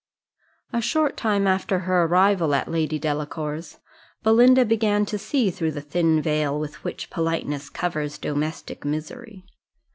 A short time after her arrival at Lady Delacour's, Belinda began to see through the thin veil with which politeness covers domestic misery.